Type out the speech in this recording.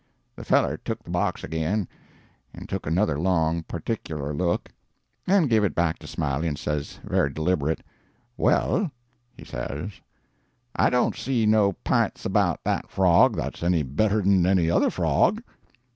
"The feller took the box again, and took another long, particular look, and give it back to Smiley, and says, very deliberate, 'Well,' he says, 'I don't see no p'ints about that frog that's any better'n any other frog.'